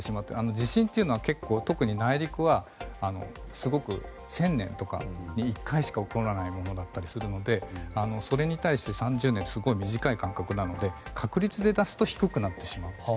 地震というのは、特に内陸は１０００年に１回しか起こらないものだったりするのでそれに対して３０年ってすごい短い間隔なので確率で出すと低くなってしまうんです。